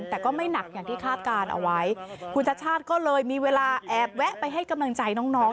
แต่ก็ไม่หนักอย่างที่คาดการณ์เอาไว้คุณชัชชาติก็เลยมีเวลาแอบแวะไปให้กำลังใจน้องน้อง